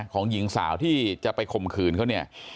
ของหญิงสาวที่จะไปข่มขืนเขาเนี่ย